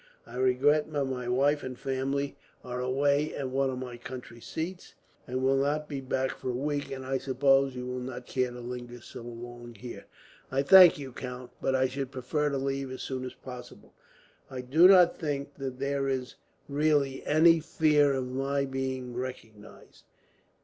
I regret that my wife and family are away, at one of my country seats, and will not be back for a week; and I suppose you will not care to linger so long here." "I thank you, count, but I should prefer to leave as soon as possible. I do not think that there is really any fear of my being recognized.